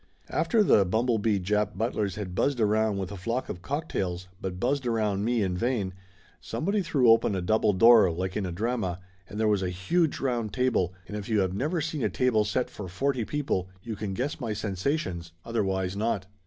After the bumblebee Jap butlers had buzzed around with a flock of cocktails, but buzzed around me in Laughter Limited 113 vain, somebody threw open a double door like in a drama, and there was a huge round table, and if you have never seen a table set for forty people you can guess my sensations, otherwise not.